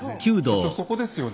所長そこですよね。